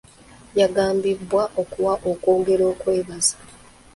Yagambiddwa okuwa okwogera kw'okwebaza.